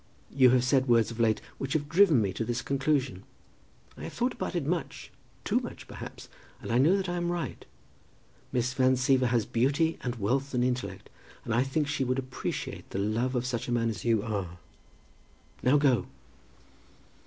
You have said words of late which have driven me to this conclusion. I have thought about it much, too much, perhaps, and I know that I am right. Miss Van Siever has beauty and wealth and intellect, and I think that she would appreciate the love of such a man as you are. Now go."